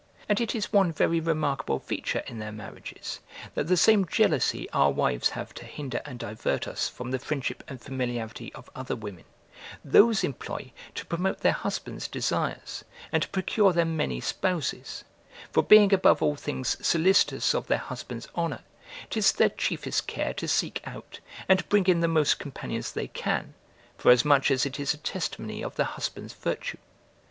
And it is one very remarkable feature in their marriages, that the same jealousy our wives have to hinder and divert us from the friendship and familiarity of other women, those employ to promote their husbands' desires, and to procure them many spouses; for being above all things solicitous of their husbands' honour, 'tis their chiefest care to seek out, and to bring in the most companions they can, forasmuch as it is a testimony of the husband's virtue.